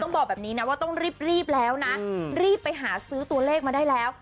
บอกแบบนี้นะว่าต้องรีบแล้วนะรีบไปหาซื้อตัวเลขมาได้แล้ว